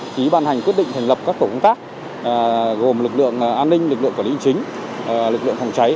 ký ban hành quyết định thành lập các tổ công tác gồm lực lượng an ninh lực lượng quản lý chính lực lượng phòng cháy